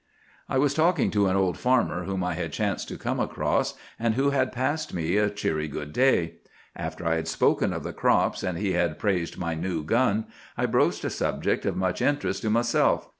"I was talking to an old farmer whom I had chanced to come across, and who had passed me a cheery good day. After I had spoken of the crops, and he had praised my new gun, I broached a subject of much interest to myself.